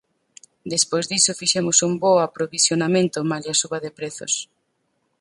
Despois diso fixemos un bo aprovisionamento malia a suba de prezos.